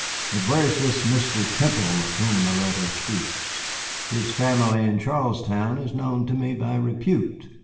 But where is this Mr. Temple of whom the letter speaks? His family in Charlestown is known to me by repute."